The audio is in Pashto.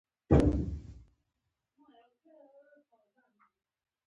ناشکن ښیښه اختراع کړې وه.